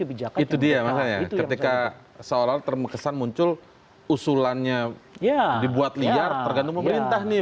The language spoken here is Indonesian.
itu dia makanya ketika seolah olah terkesan muncul usulannya dibuat liar tergantung pemerintah nih